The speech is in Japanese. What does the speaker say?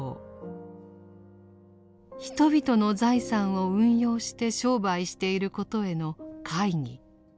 人々の財産を運用して商売していることへの懐疑。